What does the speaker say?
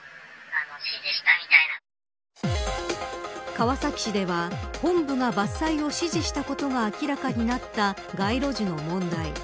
川崎市では本部が伐採を指示したことが明らかになった街路樹の問題。